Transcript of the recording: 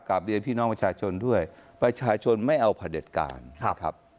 กราบเรียนพี่น้องประชาชนด้วยประชาชนไม่เอาผลิตการนะครับ